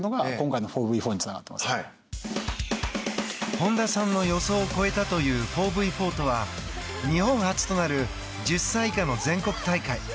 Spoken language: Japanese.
本田さんの予想を超えたという４ｖ４とは日本初となる１０歳以下の全国大会。